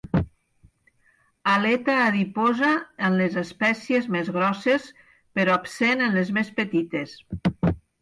Aleta adiposa en les espècies més grosses, però absent en les més petites.